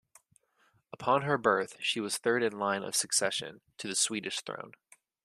Upon her birth, she was third in line of succession to the Swedish throne.